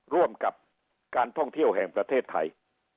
ร่วมกับการท่องเที่ยวแห่งประเทศไทย